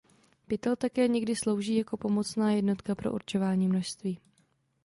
Pytel také někdy slouží jako pomocná jednotka pro určování množství.